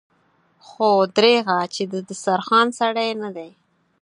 خو دريغه چې د دسترخوان سړی نه دی.